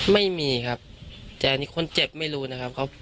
ไม่มีครับแต่อันนี้คนเจ็บไม่รู้นะครับ